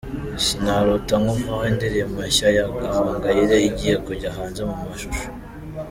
"Sinarota Nkuvaho", indirimbo nshya ya Gahongayire igiye kujya hanze mu mashusho :.